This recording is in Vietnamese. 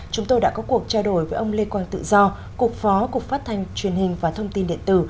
chúng tôi đã có cuộc trao đổi với ông lê quang tự do cục phó cục phát thanh truyền hình và thông tin điện tử